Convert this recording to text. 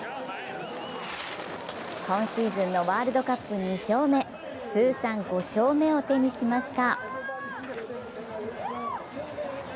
今シーズンのワールドカップ２勝目通算５勝目を手にしました。